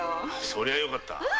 そりゃよかった。